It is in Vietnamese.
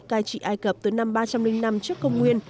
cai trị ai cập từ năm ba trăm linh năm trước công nguyên